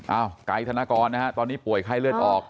เอ้าไกไ์ธนกรตอนนี้ป่วยค่าเลือดออก